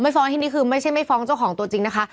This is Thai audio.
ฟ้องที่นี่คือไม่ใช่ไม่ฟ้องเจ้าของตัวจริงนะคะ